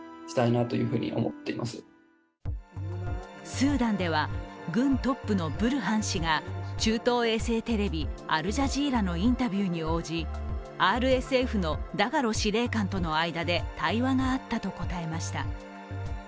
スーダンでは、軍トップのブルハン氏が中東衛星テレビ・アルジャジーラのインタビューに応じＲＳＦのダガロ司令官との間で対話があったと答えました。